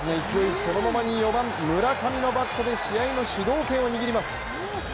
そのままに４番村上のバットで試合の主導権を握ります。